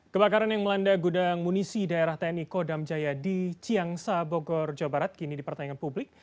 kebakaran yang melanda gudang munisi daerah tni kodam jaya di ciangsa bogor jawa barat kini dipertanyakan publik